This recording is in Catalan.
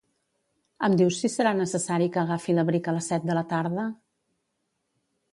Em dius si serà necessari que agafi l'abric a les set de la tarda?